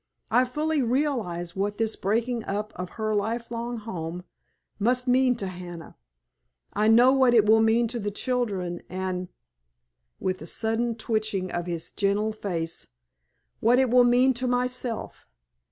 I fully realize what this breaking up of her lifelong home must mean to Hannah. I know what it will mean to the children—and," with a sudden twitching of his gentle face, "what it will mean to myself.